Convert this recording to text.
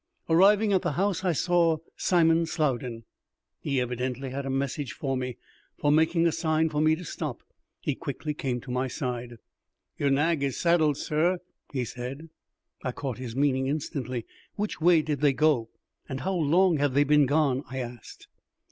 Arriving at the house, I saw Simon Slowden. He evidently had a message for me, for, making a sign for me to stop, he quickly came to my side. "Yer nag is saddled, sur," he said. I caught his meaning instantly. "Which way did they go, and how long have they been gone?" I asked.